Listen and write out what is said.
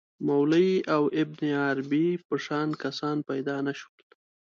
مولوی او ابن عربي په شان کسان پیدا نه شول.